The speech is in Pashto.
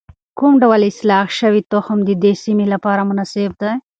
کوم ډول اصلاح شوی تخم د دې سیمې لپاره مناسب دی؟